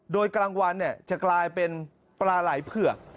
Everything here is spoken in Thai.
โดยกลางวันจะกลายเป็นปลาไหล่เผือก